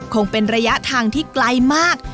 คงเป็นระยะทางที่ไกลมาก